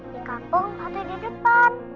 di kampung ada di depan